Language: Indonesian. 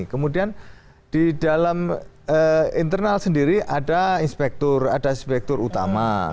kemudian di dalam internal sendiri ada inspektur ada inspektur utama